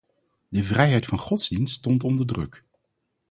De vrijheid van godsdienst stond onder druk.